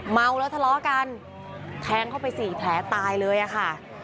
เมาแล้วทะเลาะกันแทงเข้าไปสี่แผลตายเลยอะค่ะ